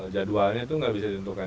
jadwalnya itu gak bisa dihentukan